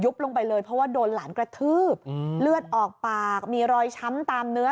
ลงไปเลยเพราะว่าโดนหลานกระทืบเลือดออกปากมีรอยช้ำตามเนื้อ